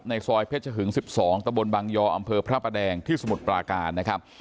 ซอยเพชรหึง๑๒ตะบนบางยออำเภอพระประแดงที่สมุทรปราการนะครับ